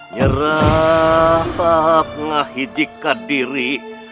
nyaratak ngahidika diri